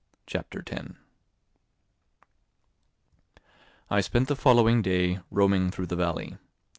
Chapter 10 I spent the following day roaming through the valley.